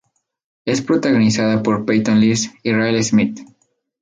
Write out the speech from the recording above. Es protagonizada por Peyton List y Riley Smith.